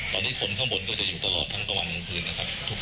ตอนนี่ขนข้างบนก็จะอยู่ตลอดทั้งกระวังขึ้นทุกทุกชุดที่อยู่ครับ